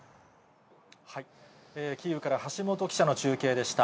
キーウから橋本記者の中継でした。